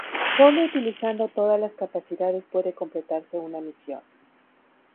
Sólo utilizando todas las capacidades puede completarse una misión.